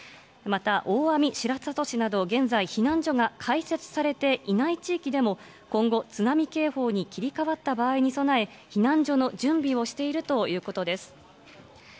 また大網白里市など現在、避難所が開設されていない地域でも、今後、津波警報に切り替わった場合に備え、避難所の準備をしているということです。